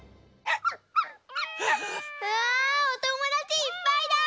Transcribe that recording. うわおともだちいっぱいだ！